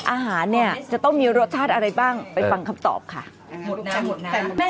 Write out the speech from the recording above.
อาหารเนี่ยจะต้องมีรสชาติอะไรบ้างไปฟังคำตอบค่ะหมดน้ำหมดน้ำ